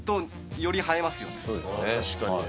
確かに。